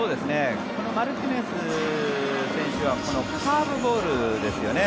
このマルティネス選手はこのカーブボールですよね